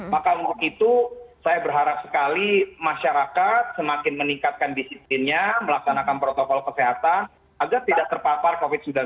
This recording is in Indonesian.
maka untuk itu saya berharap sekali masyarakat semakin meningkatkan disiplinnya melaksanakan protokol kesehatan agar tidak terpapar covid sembilan belas